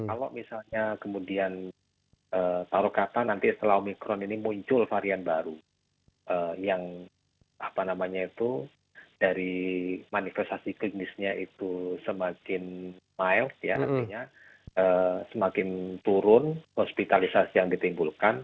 kalau misalnya kemudian taruh kata nanti setelah omikron ini muncul varian baru yang apa namanya itu dari manifestasi klinisnya itu semakin mild ya artinya semakin turun hospitalisasi yang ditimbulkan